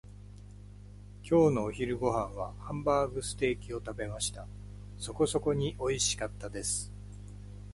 今日のお昼ご飯はハンバーグステーキを食べました。そこそこにおいしかったです。